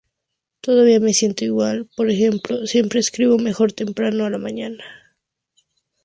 Todavía me siento igual... por ejemplo siempre escribo mejor temprano a la mañana.